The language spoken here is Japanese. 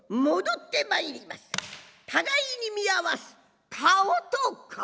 互いに見合わす顔と顔。